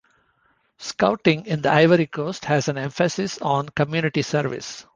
Scouting in the Ivory Coast has an emphasis on community service.